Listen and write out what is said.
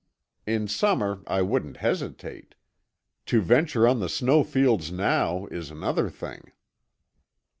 In summer, I wouldn't hesitate. To venture on the snow fields now is another thing."